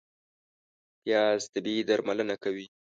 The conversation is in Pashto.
پیاز طبیعي درملنه کوي